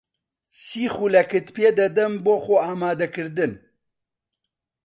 سی خولەکت پێ دەدەم بۆ خۆئامادەکردن.